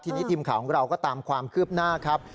ทีนี้ทีมข่าวของเราก็ตามความคืบหน้าครับ